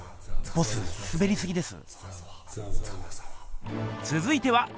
ボススベりすぎです。